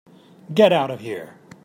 Get out of here.